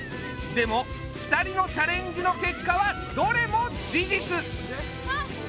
でも２人のチャレンジの結果はどれも事実！